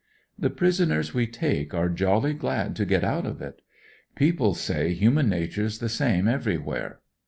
The prisoners we take are jolly glad to get out of it. People say human nature's the same everywhere.